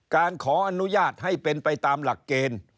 การขออนุญาตให้เป็นไปตามหลักเกณฑ์